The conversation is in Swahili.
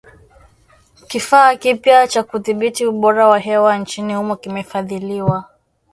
Kifaa kipya cha kudhibiti ubora wa hewa nchini humo kimefadhiliwa